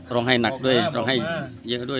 ร้องไห้หนักด้วยร้องไห้เย็นน่ะด้วย